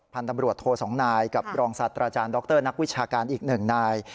พันธุ์ตำรวจโทสองนายกับรองศาสตราจารย์ดรนักวิชาการอีกหนึ่งนาย